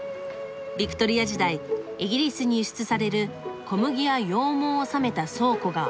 ビクトリア時代イギリスに輸出される小麦や羊毛を納めた倉庫が多い」。